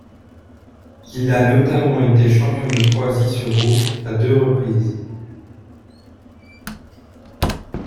Il a notamment été champion de Croatie sur route à deux reprises.